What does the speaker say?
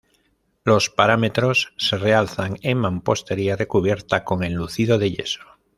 Los paramentos se realzan en mampostería recubierta con enlucido de yeso.